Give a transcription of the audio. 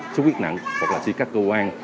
sốt khuyết nặng hoặc là suy các cơ quan